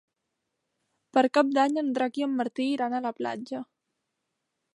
Per Cap d'Any en Drac i en Martí iran a la platja.